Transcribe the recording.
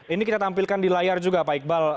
ini kita tampilkan di layar juga pak iqbal